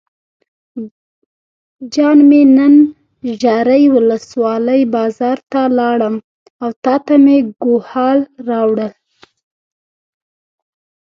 جان مې نن ژرۍ ولسوالۍ بازار ته لاړم او تاته مې ګوښال راوړل.